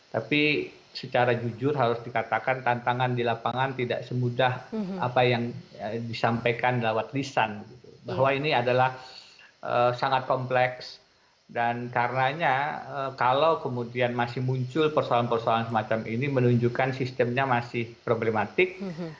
tapi secara jujur harus dikatakan tantangan di lapangan tidak semudah apa yang disampaikan lewat lisan bahwa ini adalah sangat kompleks dan karenanya kalau kemudian masih muncul persoalan persoalan semacam ini menunjukkan sistemnya masih problematik